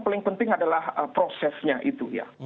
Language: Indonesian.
paling penting adalah prosesnya itu ya